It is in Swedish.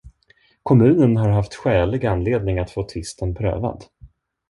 Kommunen har haft skälig anledning att få tvisten prövad.